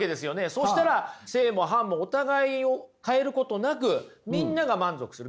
そしたら正も反もお互いを変えることなくみんなが満足する。